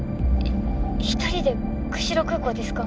一人で釧路空港ですか？